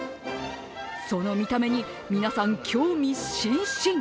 その見た目に皆さん興味津々。